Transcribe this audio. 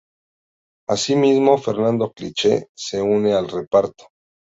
Asimismo, Fernando Kliche se une al reparto.